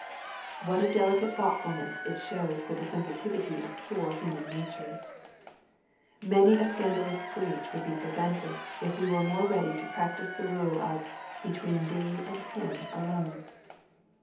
— What a delicate thoughtfulness it shows for the sensitiveness of poor human nature ! Many a scandalous breach would be prevented, if wo were more ready to practice the rule of " between thee and him alone."